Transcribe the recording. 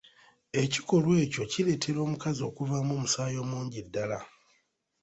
Ekikolwa ekyo kireetera omukazi okuvaamu omusaayi omungi ddala.